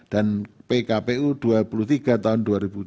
dan pkpu dua puluh tiga tahun dua ribu dua puluh tiga